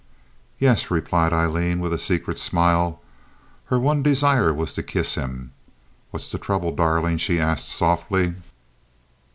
"Yes," replied Aileen, with a secret smile. Her one desire was to kiss him. "What's the trouble darling?" she asked, softly.